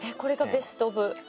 ベストオブ。